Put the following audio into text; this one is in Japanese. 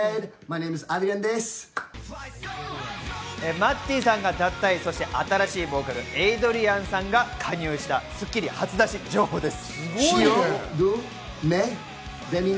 マッティさんが脱退して新しいボーカル、エイドリアンさんが加入した『スッキリ』初出し情報です。